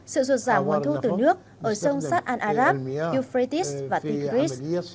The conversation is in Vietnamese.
sự ruột giảm nguồn thương từ nước ở sông saad al arab euphrates và tỉnh greece